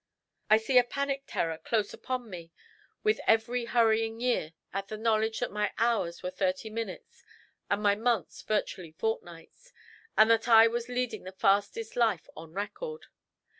I see a panic terror close upon me with every hurrying year at the knowledge that my hours were thirty minutes and my months virtually fortnights, and that I was leading the fastest life on record.